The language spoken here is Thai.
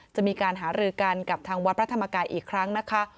จะมีการหารือกันกับทางวัดพระธรรมกายอีกครั้งนะคะ